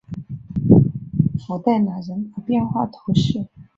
弗代纳人口变化图示